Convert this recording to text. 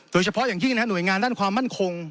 โดยเฉพาะอย่างยิ่งหน่วยงานด้านความมั่นคง